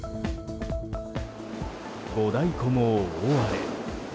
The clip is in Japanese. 五大湖も大荒れ。